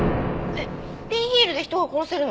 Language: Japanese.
えっピンヒールで人を殺せるの？